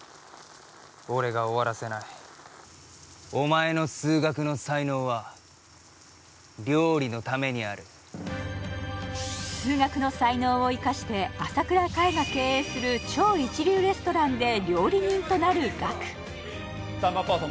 俺が終わらせないお前の数学の才能は料理のためにある数学の才能を生かして朝倉海が経営する超一流レストランで料理人となる岳・ポワソン